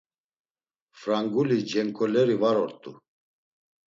Franguli cenkoleri var ort̆u.